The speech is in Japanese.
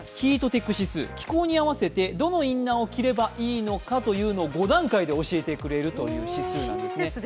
気候に合わせて、どのインナーを着ればいいのかというのを５段階で教えてくれる指数なんですね。